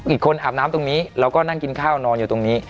อีกคนอาบน้ำตรงนี้แล้วก็นั่งกินข้าวนอนอยู่ตรงนี้